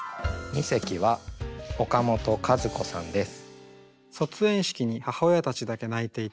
二席は岡本和子さんです。